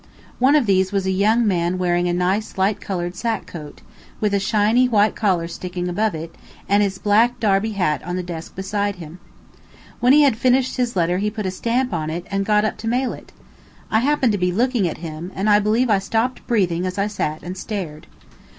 One of these was a young man wearing a nice light colored sack coat, with a shiny white collar sticking above it, and his black derby hat was on the desk beside him. When he had finished his letter he put a stamp on it and got up to mail it. I happened to be looking at him, and I believe I stopped breathing as I sat and stared.